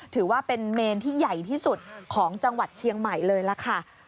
ถือว่าเป็นเมนที่ใหญ่ที่สุดของจังหวัดเชียงใหม่เลยล่ะค่ะ